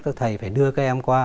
các thầy phải đưa các em qua